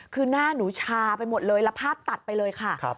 คือหน้าหนูชาไปหมดเลยแล้วภาพตัดไปเลยค่ะ